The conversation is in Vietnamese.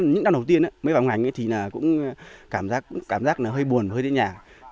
những năm đầu tiên mới vào ngành thì cũng cảm giác hơi buồn hơi tĩnh nhạc